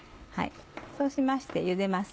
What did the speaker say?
そうしましてゆでます。